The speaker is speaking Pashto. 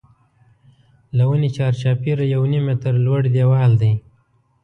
له ونې چار چاپېره یو نیم متر لوړ دیوال دی.